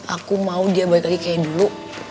aku mau dia balik lagi kayak dulu